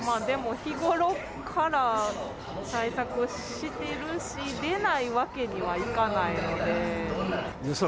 でも日頃から対策してるし、出ないわけにはいかないので。